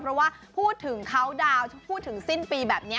เพราะว่าพูดถึงเขาดาวน์พูดถึงสิ้นปีแบบนี้